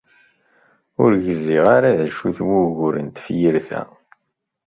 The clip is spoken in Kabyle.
Ur gziɣ ara d acu-t wugur n tefyirt-a!